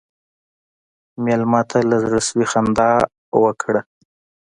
مېلمه ته له زړه سوي خندا ورکړه.